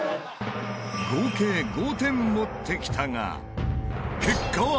合計５点持ってきたが結果は。